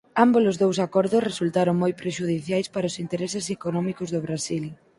Ámbolos dous acordos resultaron moi prexudiciais para os intereses económicos do Brasil.